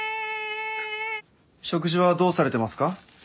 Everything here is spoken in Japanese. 食事はどうされてますか？